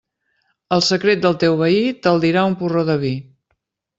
El secret del teu veí te'l dirà un porró de vi.